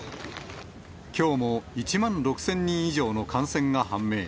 きょうも１万６０００人以上の感染が判明。